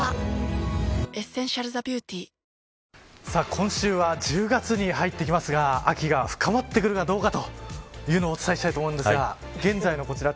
今週は１０月に入っていきますが秋が深まってくるかどうかというのをお伝えしたいと思うんですが現在のこちら